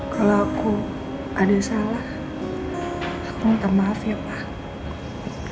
kalau aku ada yang salah aku minta maaf ya pak